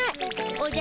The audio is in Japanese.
おじゃ。